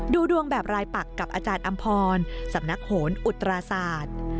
ดูดวงแบบรายปักกับอาจารย์อำพรสำนักโหนอุตราศาสตร์